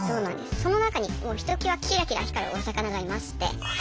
その中にひときわキラキラ光るお魚がいまして。